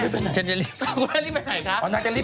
คุณแม่รีบไปไหนละคะ